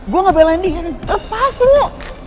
gue gak belain dia lepasin lo